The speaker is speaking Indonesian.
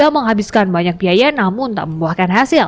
menghabiskan banyak biaya namun tak membuahkan hasil